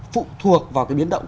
phụ thuộc vào cái biến động